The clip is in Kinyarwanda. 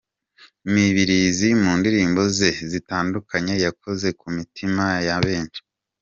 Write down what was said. Mibirizi mu ndirimbo ze zitandukanye yakoze ku mitima ya benshi.